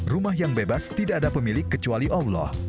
rumah yang bebas tidak ada pemilik kecuali allah